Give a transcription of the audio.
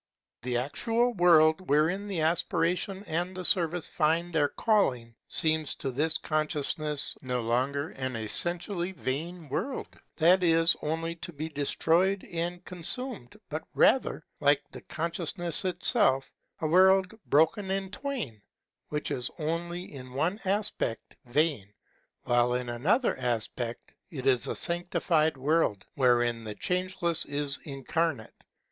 The actual world wherein the aspiration and the service find their calling, seems to this consciousness no longer an essen tially vain world, that is only to be destroyed and consumed, but rather, like the consciousness itself, a world broken in twain, which is only in one aspect vain, while in another aspect it is a sanctified world, wherein the Changeless is incarnate.